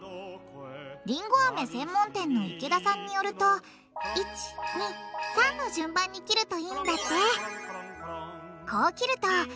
りんごアメ専門店の池田さんによると１２３の順番に切るといいんだって。